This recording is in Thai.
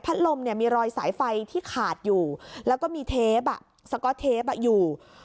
ลมเนี่ยมีรอยสายไฟที่ขาดอยู่แล้วก็มีเทปสก๊อตเทปอยู่